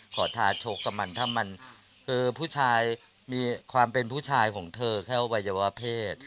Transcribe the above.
ท้าชกกับมันถ้ามันคือผู้ชายมีความเป็นผู้ชายของเธอแค่อวัยวะเพศ